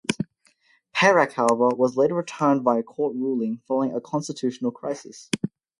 Perak however was later returned via court ruling following a constitutional crisis.